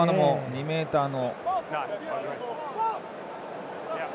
２ｍの。